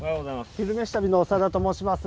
「昼めし旅」の長田と申します。